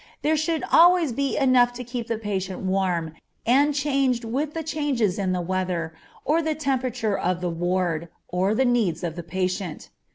There should always be enough to keep the patient warm, and changed with the changes in the weather, or the temperature of the ward, or the needs of the patient.